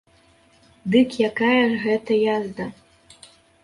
Дык якая ж гэта язда?